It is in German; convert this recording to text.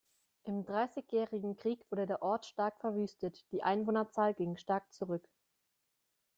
Im Dreißigjährigen Krieg wurde der Ort stark verwüstet, die Einwohnerzahl ging stark zurück.